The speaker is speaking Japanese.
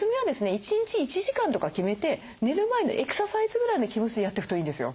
１日１時間とか決めて寝る前のエクササイズぐらいの気持ちでやっていくといいんですよ。